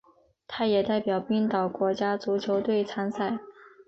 他也代表冰岛国家足球队参赛。